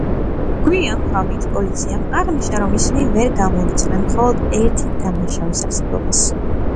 გვიან ღამით, პოლიციამ აღნიშნა, რომ ისინი ვერ გამორიცხავენ მხოლოდ ერთი დამნაშავის არსებობას.